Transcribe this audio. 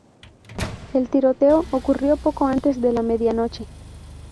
El tiroteo ocurrió poco antes de la medianoche.